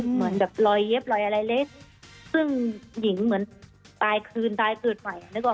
เหมือนแบบรอยเย็บรอยอะไรเล็กซึ่งหญิงเหมือนตายคืนตายเกิดใหม่นึกว่า